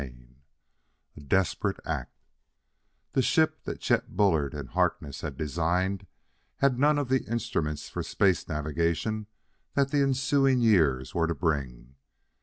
CHAPTER V A Desperate Act The ship that Chet Bullard and Harkness had designed had none of the instruments for space navigation that the ensuing years were to bring.